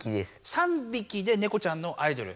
３びきでねこちゃんのアイドル。